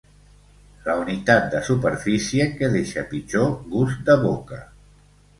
La unitat de superfície que deixa pitjor gust de boca.